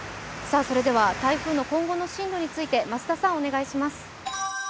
台風の今後の進路について増田さん、お願いします。